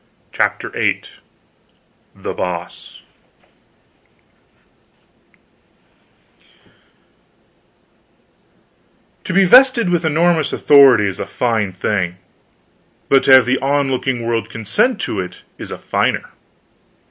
CHAPTER VIII THE BOSS To be vested with enormous authority is a fine thing; but to have the on looking world consent to it is a finer.